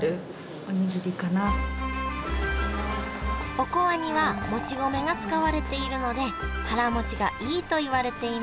おこわにはもち米が使われているので腹もちがいいといわれています